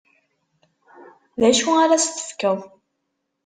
D acu ara as-tefkeḍ?